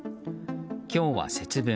今日は節分。